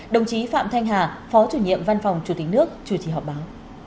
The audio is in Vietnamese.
đồng chí phạm thanh hà phó chủ nhiệm văn phòng chủ tịch nước chủ trì họp báo